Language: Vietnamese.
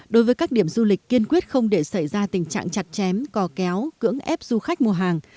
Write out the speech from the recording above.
đối với các điểm du lịch kiên quyết không để xảy ra tình trạng chặt chém cò kéo cưỡng ép du khách mua hàng